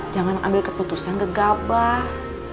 jangan ambil keputusan gegabah